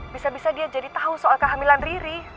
bisa bisa dia jadi tahu soal kehamilan riri